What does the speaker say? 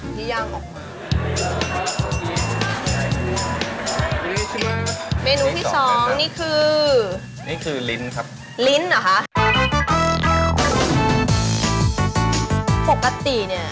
ปกติเนี่ย